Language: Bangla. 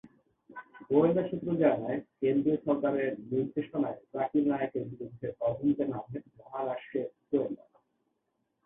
গোয়েন্দা সূত্র জানায়, কেন্দ্রীয় সরকারের নির্দেশনায় জাকির নায়েকের বিরুদ্ধে তদন্তে নামেন মহারাষ্ট্রের গোয়েন্দারা।